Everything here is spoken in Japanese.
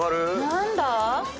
何だ？